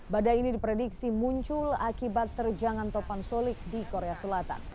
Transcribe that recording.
badai ini diprediksi muncul akibat terjangan topan solid di korea selatan